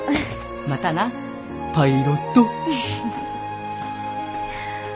またなパイロット！